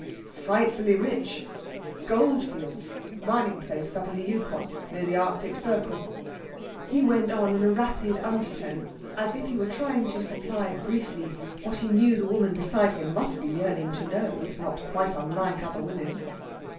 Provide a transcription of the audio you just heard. "Frightfully rich! Gold fields, mining place up the Yu kon. Near the Arctic Circle." He went on in a rapid undertone, as if he were trying to supply briefly what he knew the woman beside him must be yearning to know, if not quite unlike other women.